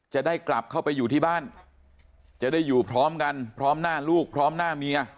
จะได้กลับเข้าไปอยู่ที่บ้านจะได้อยู่พร้อมกันพร้อมหน้าลูกพร้อมหน้าเมีย